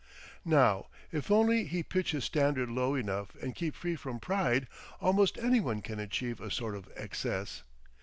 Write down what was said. Now, if only he pitch his standard low enough and keep free from pride, almost any one can achieve a sort of excess.